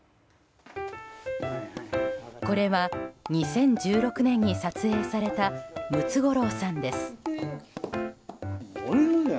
これは２０１６年に撮影されたムツゴロウさんです。